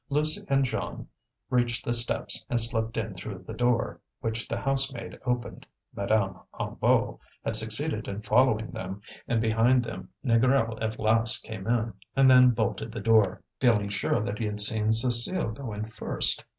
Lucie and Jeanne reached the steps, and slipped in through the door, which the housemaid opened; Madame Hennebeau had succeeded in following them, and behind them Négrel at last came in, and then bolted the door, feeling sure that he had seen Cécile go in first.